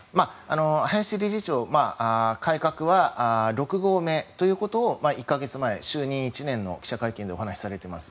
林理事長、改革は６合目ということを、１か月前就任１年の記者会見でお話しされています。